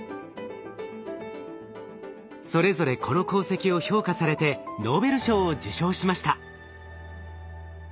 それぞれこの功績を評価されてノーベル賞を受賞しました。